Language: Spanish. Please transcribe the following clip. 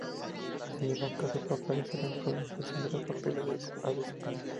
En ningún caso aparece la improvisación de papeles a desempeñar.